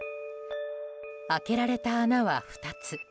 開けられた穴は２つ。